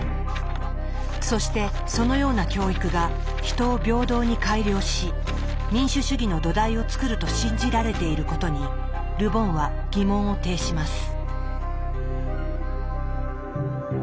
そしてそのような教育が人を平等に改良し民主主義の土台を作ると信じられていることにル・ボンは疑問を呈します。